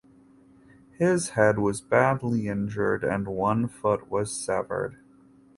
His head was badly injured and one foot was severed.